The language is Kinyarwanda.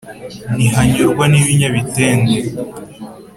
Ntihanyurwa n'ibinyabitende